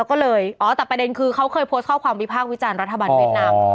โอ้อยุ่แต่ประเด็นคือเค้าโพสต์เข้าทำความบิพากส์วิตารรัฐบาลเวียสนัม